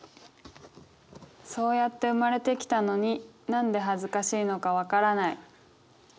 「そうやって生まれてきたのになんで恥ずかしいのかわからない」。